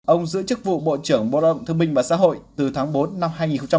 ông giữ chức vụ bộ trưởng bộ lao động thương minh và xã hội từ tháng bốn năm hai nghìn một mươi tám